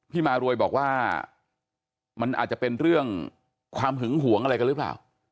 มารวยบอกว่ามันอาจจะเป็นเรื่องความหึงหวงอะไรกันหรือเปล่า